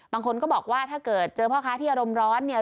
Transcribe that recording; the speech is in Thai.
บางคนก็บอกว่าถ้าเกิดเจอพ่อค้าที่อารมณ์ร้อนเนี่ย